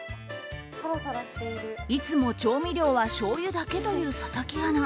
いつも調味料はしょうゆだけという佐々木アナ。